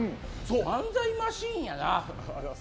漫才マシンやな。